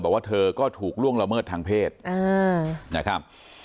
บอกว่าเธอก็ถูกล่วงละเมิดทางเพศนะครับ